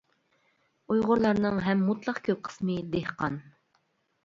ئۇيغۇرلارنىڭ ھەم مۇتلەق كۆپ قىسمى دېھقان.